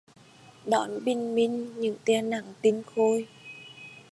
Đón bình minh những tia nắng tinh khôi